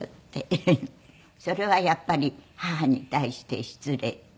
それはやっぱり母に対して失礼っていうかね。